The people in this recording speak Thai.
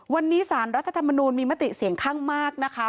วันนี้สารรัฐธรรมนูลมีมติเสียงข้างมากนะคะ